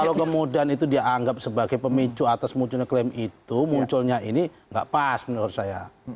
kalau kemudian itu dianggap sebagai pemicu atas munculnya klaim itu munculnya ini nggak pas menurut saya